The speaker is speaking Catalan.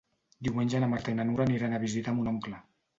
Diumenge na Marta i na Nura aniran a visitar mon oncle.